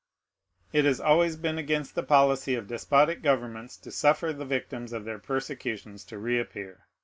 It has always been against the policy of despotic governments to suffer the victims of their persecutions to reappear.